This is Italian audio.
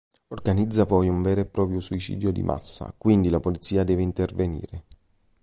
Organizza poi un vero e proprio suicidio di massa, quindi la polizia deve intervenire.